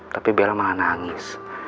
tapi bella malah nangis